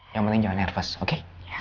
yang penting jangan nervous oke